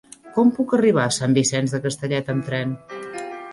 Com puc arribar a Sant Vicenç de Castellet amb tren?